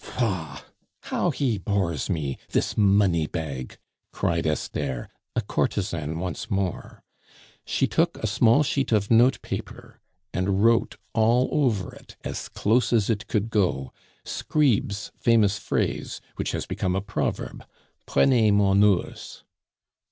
"Faugh! how he bores me this money bag!" cried Esther, a courtesan once more. She took a small sheet of notepaper and wrote all over it, as close as it could go, Scribe's famous phrase, which has become a proverb, "Prenez mon ours."